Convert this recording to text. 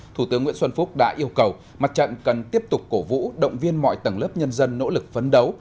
thủ tướng nguyễn xuân phúc đã yêu cầu mặt trận cần tiếp tục cổ vũ động viên mọi tầng lớp nhân dân nỗ lực phấn đấu